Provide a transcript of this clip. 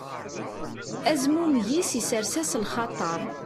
Azmummeg-is isers-as lxaṭer.